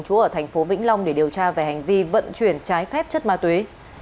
chú ở thành phố vĩnh long để điều tra về hành vi vận chuyển trái phép chất ma túy